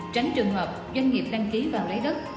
tránh trường hợp doanh nghiệp đăng ký và lấy đất